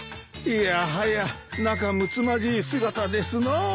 いやはや仲むつまじい姿ですなぁ。